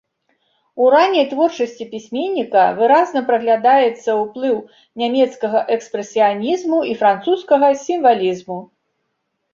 У ранняй творчасці пісьменніка выразна праглядаецца ўплыў нямецкага экспрэсіянізму і французскага сімвалізму.